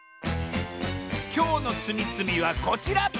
きょうのつみつみはこちら！